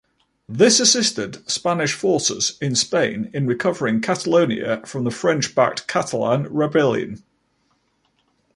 This assisted Spanish forces in Spain in recovering Catalonia from the French-backed Catalan rebellion.